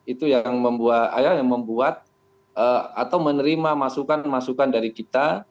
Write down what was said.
itu yang membuat atau menerima masukan masukan dari kita